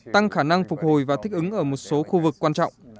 tăng khả năng phục hồi và thích ứng ở một số khu vực quan trọng